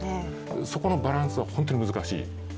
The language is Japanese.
そこのバランスは本当に難しい。